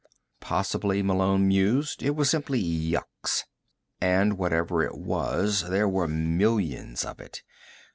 Possibly, Malone mused, it was simply yucks. And whatever it was, there were millions of it.